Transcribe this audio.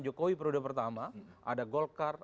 jokowi periode pertama ada golkar